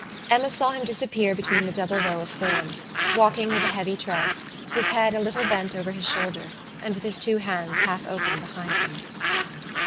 Emma saw him disappear between the double row of forms, walking with a heavy tread, his head a little bent over his shoulder, and with his two hands half open behind him.